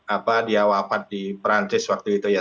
apa dia wafat di perancis waktu itu ya